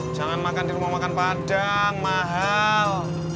jangan makan di rumah makan padang mahal